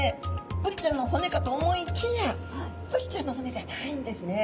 ブリちゃんの骨かと思いきやブリちゃんの骨ではないんですね。